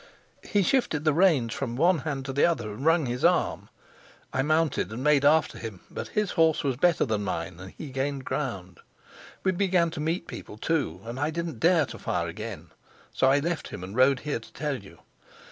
He shifted the reins from one hand to the other and wrung his arm. I mounted and made after him, but his horse was better than mine and he gained ground. We began to meet people, too, and I didn't dare to fire again. So I left him and rode here to tell you.